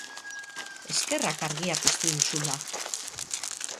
Eskerrak argia piztu duzula!